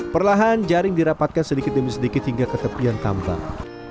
perlahan jaring dirapatkan sedikit demi sedikit hingga ke tepian tambang